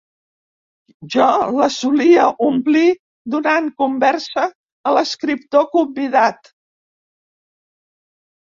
Jo les solia omplir donant conversa a l'escriptor convidat.